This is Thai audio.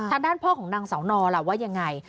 ทางด้านพ่อของนางเสานอล่ะว่ายังไง